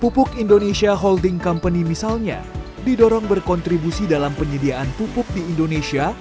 pupuk indonesia holding company misalnya didorong berkontribusi dalam penyediaan pupuk di indonesia